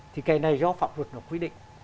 thì cái này do phạm luật nó quy định